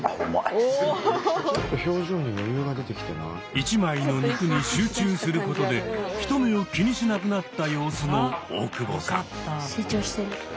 １枚の肉に集中することで人目を気にしなくなった様子の大久保さん。